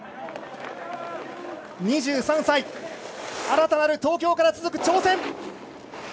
２３歳新たなる東京から続く挑戦。